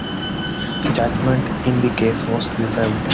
Judgement in the case was reserved.